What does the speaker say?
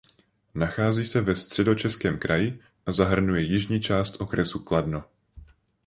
Nachází se ve Středočeském kraji a zahrnuje jižní část okresu Kladno.